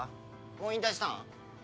もう引退したん？